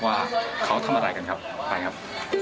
ว่าเขาทำอะไรกันครับไปครับ